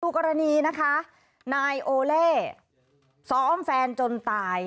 กรณีนะคะนายโอเล่ซ้อมแฟนจนตาย